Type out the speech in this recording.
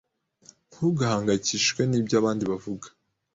Ntugahangayikishwe nibyo abandi bavuga.